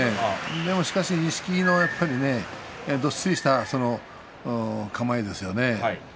でも錦木のどっしりとした構えですよね。